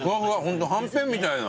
ホントはんぺんみたいな。